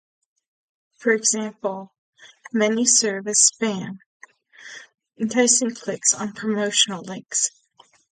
For example, many serve as spam, enticing clicks on promotional links.